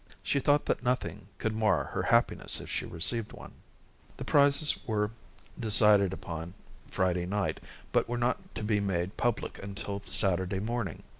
She thought that nothing could mar her happiness if she received one. The prices were decided upon on Friday night, but were not to be made public until Saturday morning.